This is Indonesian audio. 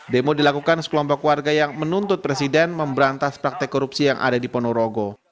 demo dilakukan sekelompok warga yang menuntut presiden memberantas praktek korupsi yang ada di ponorogo